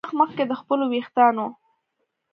له وخت مخکې د خپلو ویښتانو